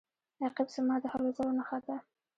رقیب زما د هلو ځلو نښه ده